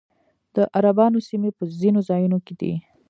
د عربانو سیمې په ځینو ځایونو کې دي